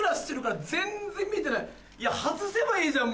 外せばいいじゃん